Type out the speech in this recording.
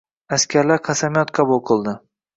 Askarlar qasamyod qabul qilding